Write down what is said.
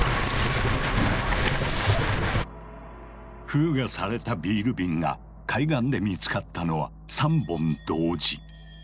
封がされたビール瓶が海岸で見つかったのは３本同時。